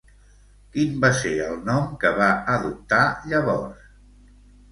Quin va ser el nom que va adoptar llavors?